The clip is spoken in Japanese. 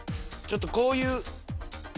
ちょっとこういう。